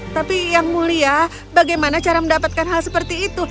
tapi yang mulia bagaimana cara mendapatkan hal seperti itu